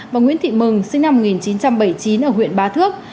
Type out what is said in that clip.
và nguyễn thị mừng sinh năm một nghìn chín trăm bảy mươi chín ở huyện bá thước